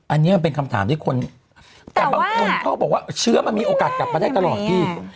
อันนี้มันเป็นคำถามที่คนแต่บางคนเขาบอกว่าเชื้อมันมีโอกาสกลับมาได้ตลอดพี่